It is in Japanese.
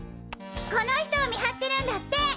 この人を見張ってるんだって。